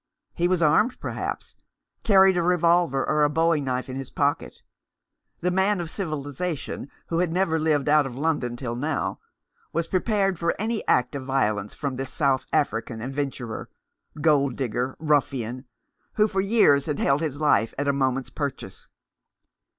He was armed, perhaps ; carried a revolver or a bowie knife in his pocket. The man of civili zation, who had never lived out of London till now, was prepared for any act of violence from this South African adventurer — gold digger, ruffian — who for years had held his life at a moment's purchase.